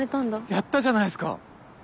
やったじゃないっすか！